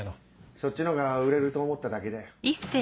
そっちのほうが売れると思っただけだよ。